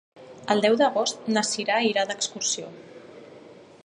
El deu d'agost na Cira irà d'excursió.